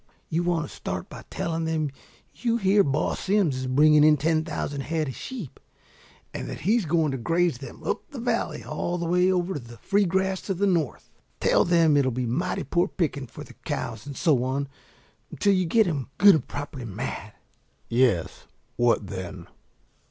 You want to start by telling them you hear Boss Simms is bringing in ten thousand head of sheep, and that he's going to graze them up the valley all the way over the free grass to the north. Tell them that it'll be mighty poor picking for the cows and so on until you get 'em good and properly mad " "Yes, what then?"